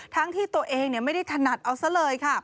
ที่ตัวเองไม่ได้ถนัดเอาซะเลยค่ะ